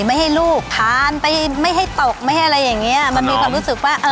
ไม่ให้ลูกทานไปไม่ให้ตกไม่ให้อะไรอย่างเงี้ยมันมีความรู้สึกว่าเออ